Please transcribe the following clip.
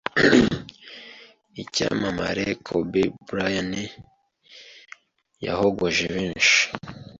Icyamamare Kobe Bryant yahogoje benshi